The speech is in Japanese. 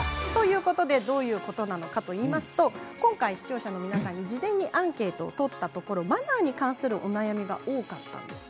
どういうことかといいますと今回、視聴者の皆さんに事前にアンケートを取ったところマナーに関するお悩みが多かったんです。